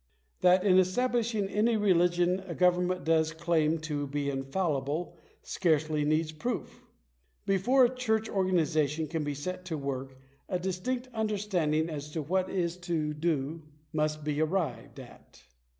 That in establishing any religion a government does claim to be infallible, scarcely needs proof. Before a church organization can be set to work, a distinct understanding as to what it is to do must be arrived at.